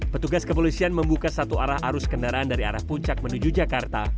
petugas kepolisian membuka satu arah arus kendaraan dari arah puncak menuju jakarta